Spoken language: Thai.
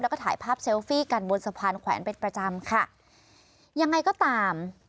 แล้วก็ถ่ายภาพเซลฟี่กันบนสะพานแขวนเป็นประจำค่ะยังไงก็ตาม